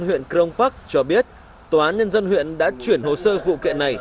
huyện crong park cho biết tòa án nhân dân huyện đã chuyển hồ sơ vụ kiện này